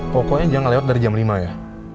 pokoknya jangan lewat dari jam lima ya